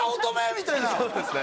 みたいなそうですね